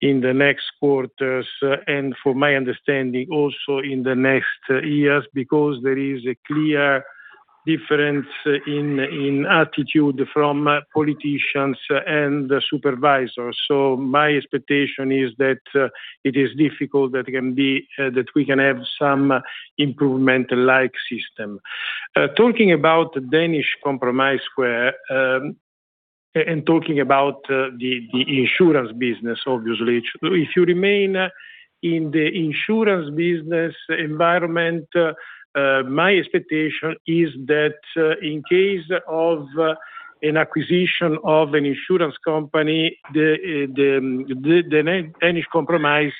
in the next quarters, and from my understanding, also in the next years, because there is a clear difference in attitude from politicians and the supervisors. My expectation is that it is difficult that it can be that we can have some improvement like system. Talking about Danish Compromise-Squared, and talking about the insurance business, obviously. If you remain in the insurance business environment, my expectation is that in case of an acquisition of an insurance company, the Danish Compromise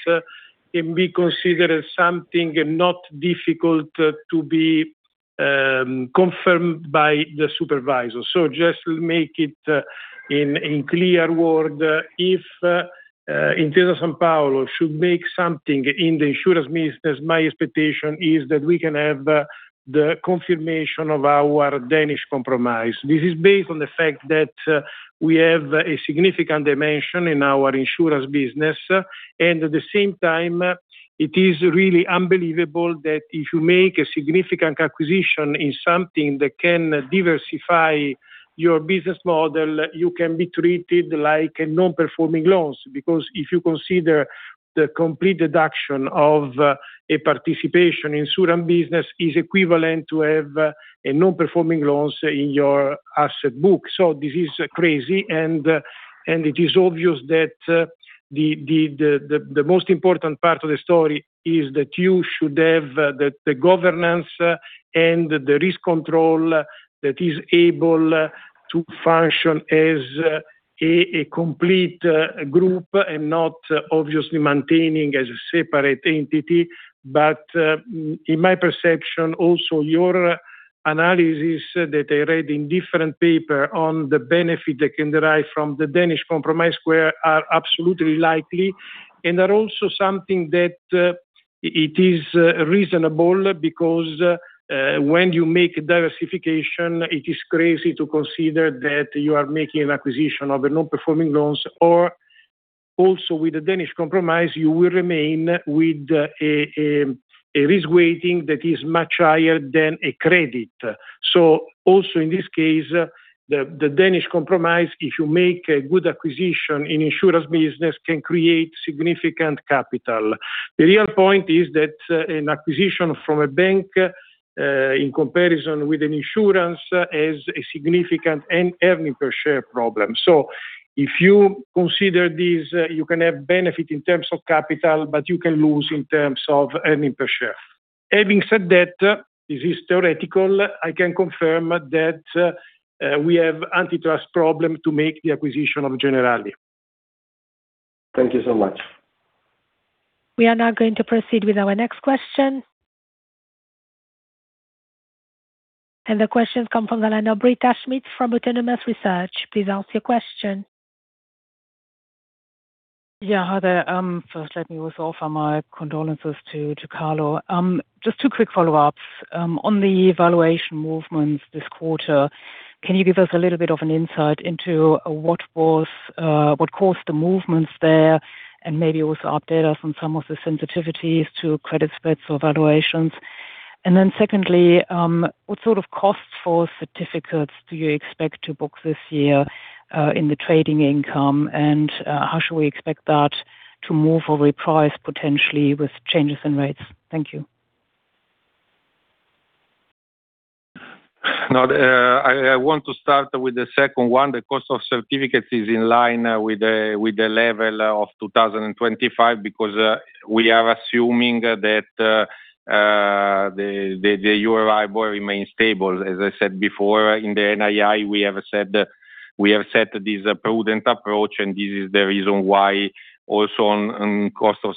can be considered something not difficult to be confirmed by the supervisor. Just to make it in clear word, if Intesa Sanpaolo should make something in the insurance business, my expectation is that we can have the confirmation of our Danish Compromise. This is based on the fact that we have a significant dimension in our insurance business. At the same time, it is really unbelievable that if you make a significant acquisition in something that can diversify your business model, you can be treated like a non-performing loans. If you consider the complete deduction of a participation in insurance business is equivalent to have a non-performing loans in your asset book. This is crazy, and it is obvious that the most important part of the story is that you should have the governance and the risk control that is able. To function as a complete group and not obviously maintaining as a separate entity. In my perception also your analysis that I read in different paper on the benefit that can derive from the Danish Compromise are absolutely likely, and are also something that it is reasonable because when you make diversification, it is crazy to consider that you are making an acquisition of non-performing loans. Also with the Danish Compromise, you will remain with a risk weighting that is much higher than a credit. Also in this case, the Danish Compromise, if you make a good acquisition in insurance business, can create significant capital. The real point is that an acquisition from a bank, in comparison with an insurance, is a significant earning per share problem. If you consider this, you can have benefit in terms of capital, but you can lose in terms of earning per share. Having said that, this is theoretical. I can confirm that we have antitrust problem to make the acquisition of Generali. Thank you so much. We are now going to proceed with our next question. The question come from the line of Britta Schmidt from Autonomous Research. Please ask your question. Hi there. First let me also offer my condolences to Carlo. Just two quick follow-ups. On the valuation movements this quarter, can you give us a little bit of an insight into what caused the movements there, and maybe also update us on some of the sensitivities to credit spreads or valuations? Secondly, what sort of costs for certificates do you expect to book this year, in the trading income, and how should we expect that to move or reprice potentially with changes in rates? Thank you. Now, the I want to start with the second one. The cost of certificates is in line with the level of 2025 because we are assuming that EURIBOR remains stable. As I said before, in the NII, we have set this prudent approach, and this is the reason why also on cost of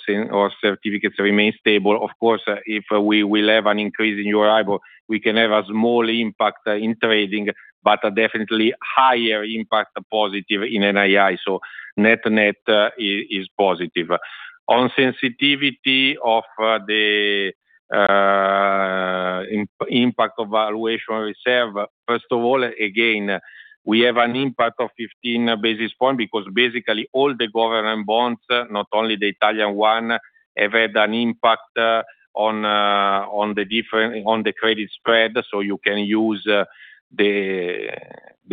certificates remain stable. Of course, if we will have an increase in EURIBOR, we can have a small impact in trading, but a definitely higher impact positive in NII. Net net is positive. On sensitivity of the impact of valuation reserve, first of all, again, we have an impact of 15 basis points because basically all the government bonds, not only the Italian one, have had an impact on the different, on the credit spread. You can use the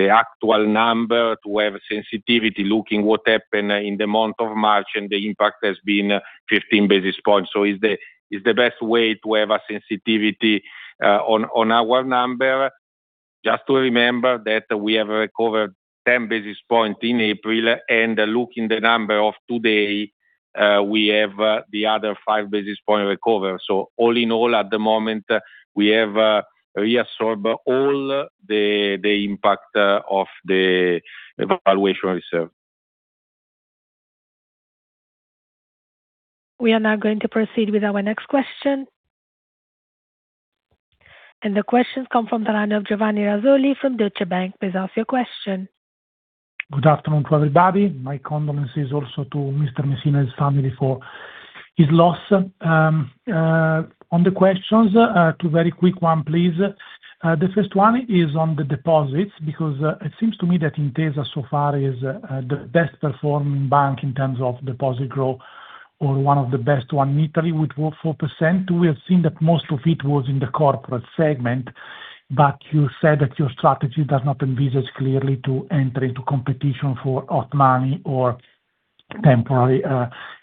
actual number to have sensitivity looking what happened in the month of March, and the impact has been 15 basis points. is the best way to have a sensitivity on our number. Just to remember that we have recovered 10 basis points in April. Looking the number of today, we have the other 5 basis points recover. All in all, at the moment, we have reabsorbed all the impact of the valuation reserve. We are now going to proceed with our next question. The question come from the line of Giovanni Razzoli from Deutsche Bank. Please ask your question. Good afternoon to everybody. My condolences also to Mr. Messina's family for his loss. On the questions, two very quick one, please. The first one is on the deposits, because it seems to me that Intesa so far is the best performing bank in terms of deposit growth or one of the best one in Italy with 4%. We have seen that most of it was in the corporate segment. You said that your strategy does not envisage clearly to enter into competition for hot money or temporary,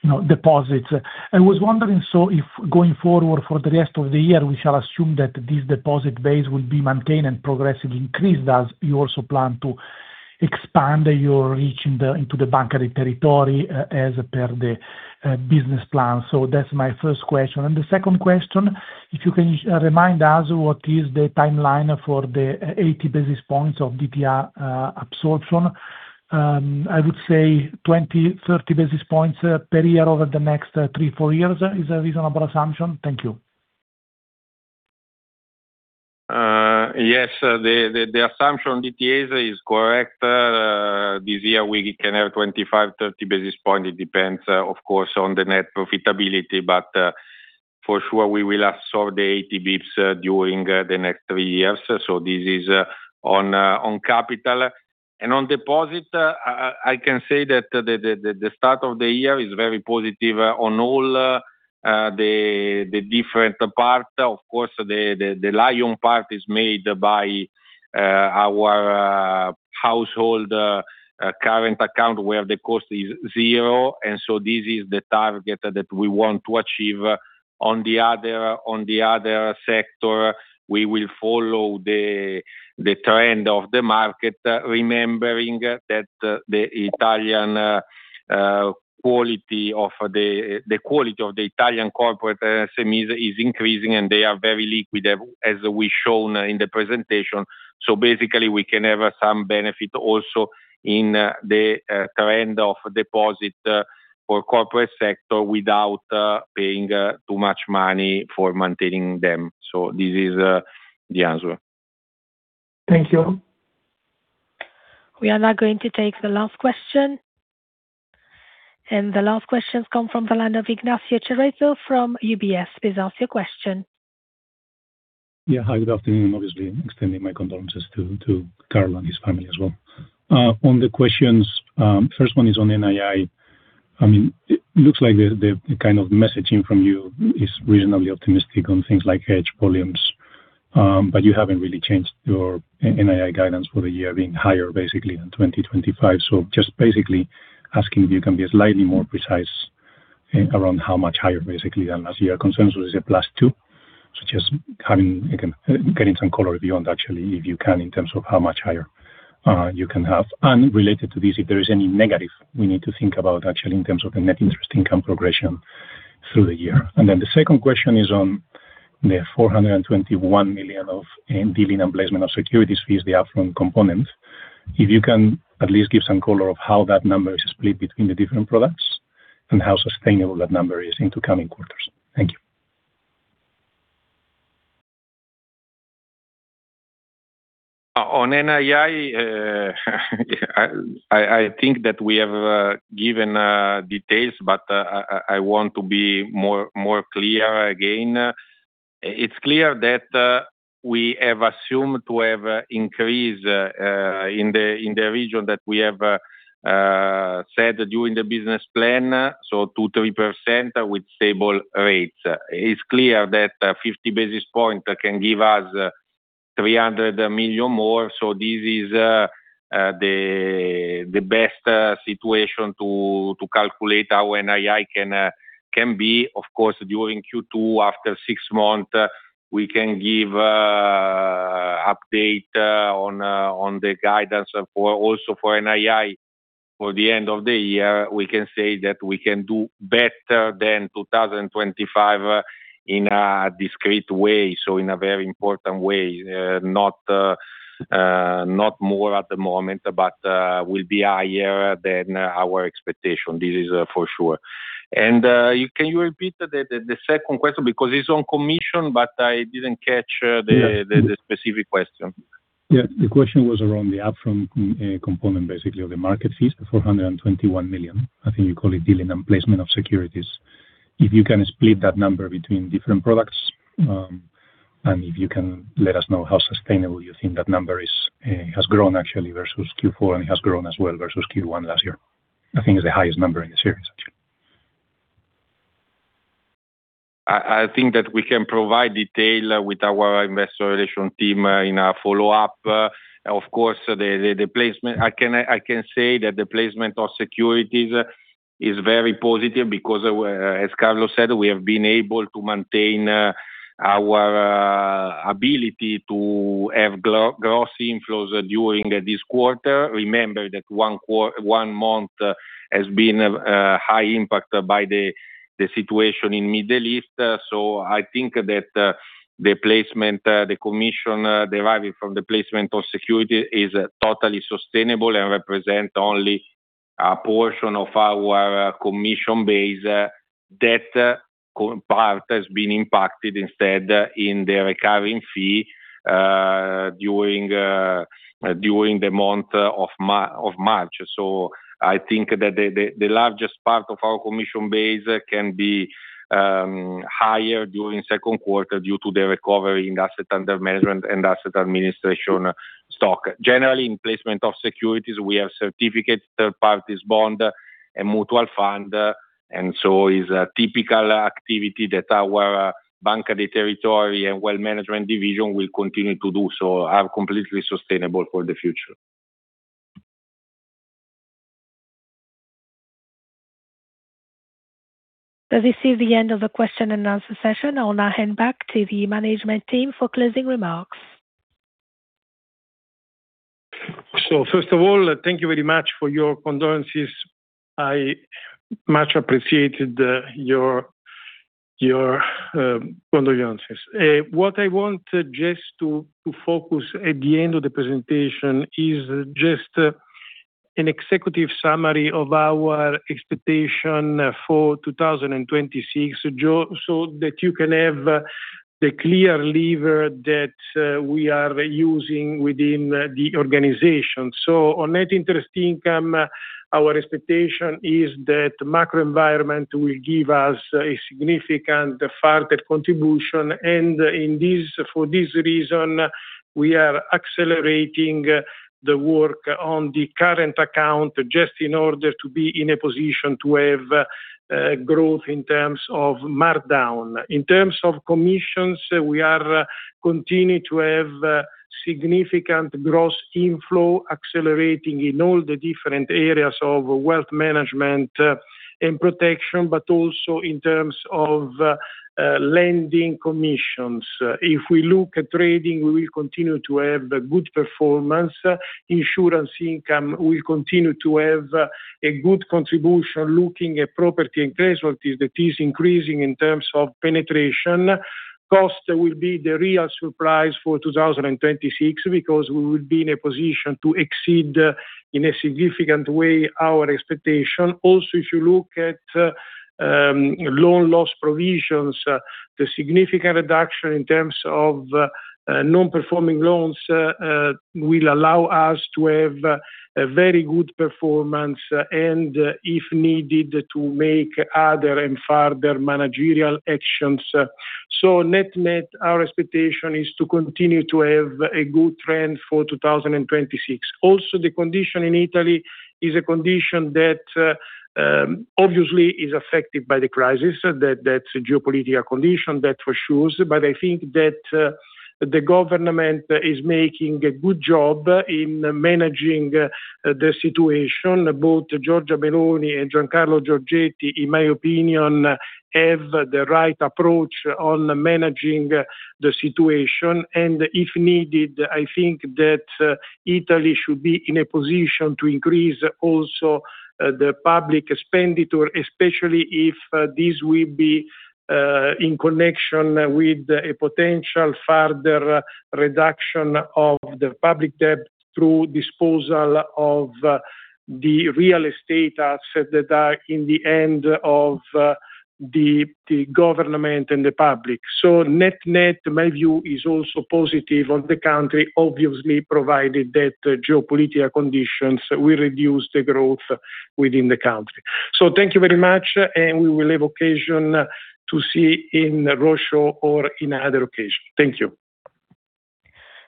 you know, deposits. I was wondering if going forward for the rest of the year, we shall assume that this deposit base will be maintained and progressively increased as you also plan to expand your reach in the, into the Banca dei Territori as per the business plan. That's my first question. The second question, if you can remind us what is the timeline for the 80 basis points of DTA absorption. I would say 20, 30 basis points per year over the next 3, 4 years is a reasonable assumption? Thank you. Yes. The assumption DTAs is correct. This year we can have 25, 30 basis points. It depends, of course, on the net profitability. For sure we will absorb the 80 basis points during the next three years. This is on capital. On deposit, I can say that the start of the year is very positive on all the different part. Of course, the part is made by our household current account where the cost is zero. This is the target that we want to achieve. On the other sector, we will follow the trend of the market, remembering that the Italian quality of the Italian corporate SMEs is increasing, and they are very liquid, as we shown in the presentation. Basically, we can have some benefit also in the trend of deposit for corporate sector without paying too much money for maintaining them. This is the answer. Thank you. We are now going to take the last question. The last question comes from line of Ignacio Cerezo from UBS. Please ask your question. Hi, good afternoon. Obviously, extending my condolences to Carlo and his family as well. On the questions, first one is on NII. I mean, it looks like the kind of messaging from you is reasonably optimistic on things like hedge volumes, but you haven't really changed your NII guidance for the year being higher basically than 2025. Just basically asking if you can be slightly more precise around how much higher basically than last year concerns was a +2. Getting some color beyond actually if you can in terms of how much higher you can have. Related to this, if there is any negative we need to think about actually in terms of the net interest income progression through the year. The second question is on the 421 million of dealing and placement of securities fees, the upfront components. If you can at least give some color of how that number is split between the different products and how sustainable that number is into coming quarters. Thank you. On NII, I think that we have given details, but I want to be more clear again. It's clear that we have assumed to have increase in the region that we have said during the business plan, so 2%-3% with stable rates. It's clear that 50 basis points can give us 300 million more. This is the best situation to calculate our NII can be. Of course, during Q2, after six months, we can give update on the guidance for also for NII. For the end of the year, we can say that we can do better than 2025 in a discrete way, so in a very important way. Not more at the moment, but will be higher than our expectation. This is for sure. Can you repeat the second question? Because it's on commission, but I didn't catch- Yeah -the specific question. Yeah. The question was around the upfront component basically of the market fees, the 421 million. I think you call it dealing and placement of securities. If you can split that number between different products, and if you can let us know how sustainable you think that number is. It has grown actually versus Q4, and it has grown as well versus Q1 last year. I think it's the highest number in the series actually. I think that we can provide detail with our Investor Relations team in a follow-up. The placement I can say that the placement of securities is very positive because as Carlo said, we have been able to maintain our ability to have gross inflows during this quarter. Remember that one month has been a high impact by the situation in Middle East. I think that the placement, the commission deriving from the placement of security is totally sustainable and represent only a portion of our commission base. That part has been impacted instead in the recurring fee during the month of March. I think that the largest part of our commission base can be higher during Q2 due to the recovery in asset under management and asset administration stock. Generally, in placement of securities, we have certificates, third parties bond, and mutual fund, and so is a typical activity that our Banca dei Territori and wealth management division will continue to do so, are completely sustainable for the future. This is the end of the question and answer session. I will now hand back to the management team for closing remarks. First of all, thank you very much for your condolences. I much appreciated your condolences. What I want just to focus at the end of the presentation is just an executive summary of our expectation for 2026, so that you can have the clear lever that we are using within the organization. On NII, our expectation is that macro environment will give us a significant further contribution. For this reason, we are accelerating the work on the current account just in order to be in a position to have growth in terms of markdown. In terms of commissions, we are continuing to have significant gross inflow accelerating in all the different areas of wealth management and protection, but also in terms of lending commissions. If we look at trading, we will continue to have a good performance. Insurance income will continue to have a good contribution. Looking at property and casualties, that is increasing in terms of penetration. Cost will be the real surprise for 2026 because we will be in a position to exceed, in a significant way, our expectation. If you look at loan loss provisions, the significant reduction in terms of non-performing loans will allow us to have a very good performance, and if needed, to make other and further managerial actions. Net-net, our expectation is to continue to have a good trend for 2026. The condition in Italy is a condition that obviously is affected by the crisis. That's a geopolitical condition that for sure. I think that the government is making a good job in managing the situation. Both Giorgia Meloni and Giancarlo Giorgetti, in my opinion, have the right approach on managing the situation. If needed, I think that Italy should be in a position to increase also the public expenditure, especially if this will be in connection with a potential further reduction of the public debt through disposal of the real estate assets that are in the end of the government and the public. Net-net, my view is also positive on the country, obviously provided that geopolitical conditions will reduce the growth within the country. Thank you very much, and we will have occasion to see in roadshow or in another occasion. Thank you.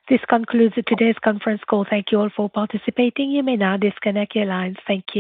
This concludes today's conference call. Thank you all for participating. You may now disconnect your lines. Thank you.